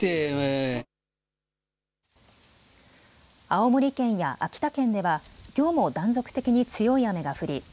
青森県や秋田県では、きょうも断続的に強い雨が降り